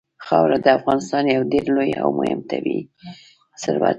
خاوره د افغانستان یو ډېر لوی او مهم طبعي ثروت دی.